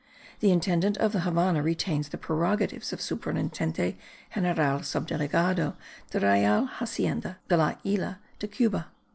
The intendant of the Havannah retains the prerogatives of Superintendente general subdelegado de Real Hacienda de la Isla de Cuba.